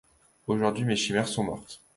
Aujourd’hui mes chimères sont mortes.